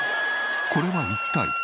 これは一体？